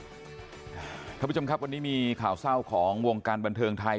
คุณผู้ชมครับวันนี้มีข่าวเศร้าของวงการบันเทิงไทย